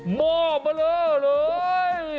หม้อมาเลย